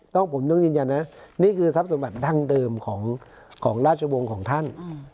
ผมต้องยืนยันนะนี่คือทรัพย์สมบัติทางเดิมของราชวงศ์ของท่าน